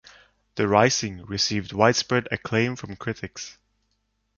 "The Rising" received widespread acclaim from critics.